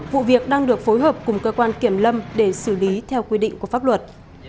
vụ việc đang được phối hợp cùng cơ quan kiểm lâm để xử lý theo quy định của pháp luật